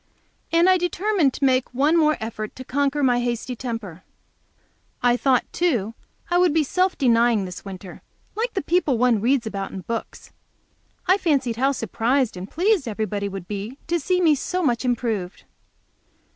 And I determined to make one more effort to conquer my hasty temper. I thought, too, I would be self denying this winter, like the people one reads about in books. I fancied how surprised and pleased everybody would be to see me so much improved!